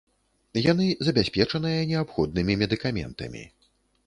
Яны забяспечаныя неабходнымі медыкаментамі.